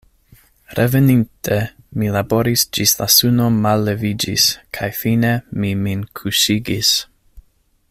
Reveninte, mi laboris ĝis la suno malleviĝis, kaj fine mi min kuŝigis.